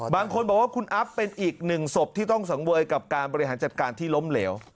บางคนบอกว่าคุณอัพเป็นอีกหนึ่งศพที่ต้องสังเวยกับการบริหารจัดการที่ล้มเหลว